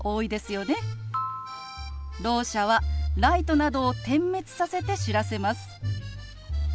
ろう者はライトなどを点滅させて知らせます。